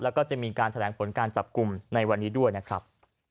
แล้วก็จะมีการแถลงผลการจับกลุ่มในวันนี้ด้วยนะครับ